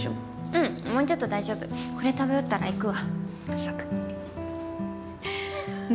うんもうちょっと大丈夫これ食べ終わったら行くわね